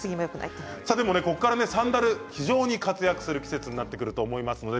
これからサンダルが非常に活躍する季節になってきます。